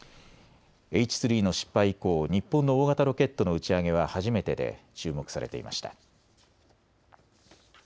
Ｈ３の失敗以降、日本の大型ロケットの打ち上げは初めてで注目されていました。